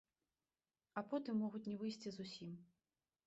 А потым могуць не выйсці зусім.